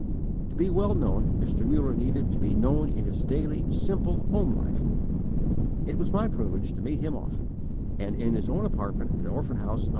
To be well known, Mr. Muller needed to be known in his daily, simple, home life. It was my privilege to meet him often, and in his own apartment at Orphan House No.